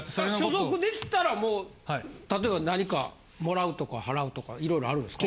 所属できたらもう例えば何かもらうとか払うとかいろいろあるんですか？